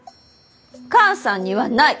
母さんにはない。